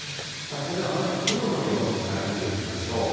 それではまず、雲の様子から見ていきましょう。